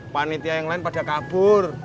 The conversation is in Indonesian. panitia yang lain pada kabur